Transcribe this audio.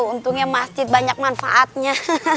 untungnya masjid banyak manfaatnya